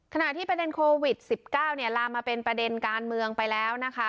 ขณะที่ประเด็นโควิด๑๙ลามมาเป็นประเด็นการเมืองไปแล้วนะคะ